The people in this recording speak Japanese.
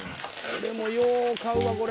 俺もよう買うわこれ。